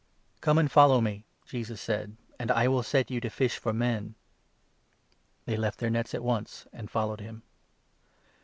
"Come and follow me," Jesus said, "and I will set you to 17 fish for men." They left their nets at once, and followed him.